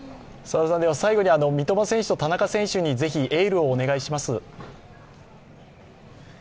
三笘選手と田中選手にぜひエールをお願いします。